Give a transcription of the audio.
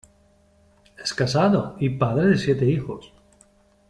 Es casado y padre de siete hijos.